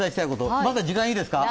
まだ時間いいですか。